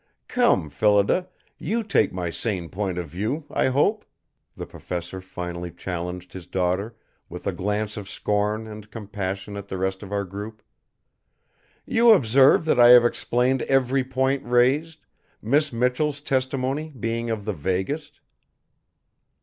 "Come, Phillida, you take my sane point of view, I hope?" the Professor finally challenged his daughter, with a glance of scorn and compassion at the rest of our group. "You observe that I have explained every point raised, Miss Michell's testimony being of the vaguest?"